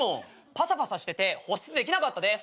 パサパサしてて保湿できなかったです。